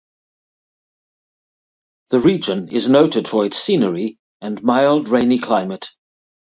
The region is noted for its scenery and mild rainy climate.